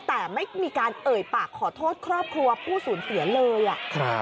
แต่ไม่มีการเอ่ยปากขอโทษครอบครัวผู้ศูนย์เสียเลย